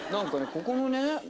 ここのね